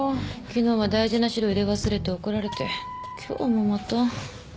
昨日は大事な資料を入れ忘れて怒られて今日もまた。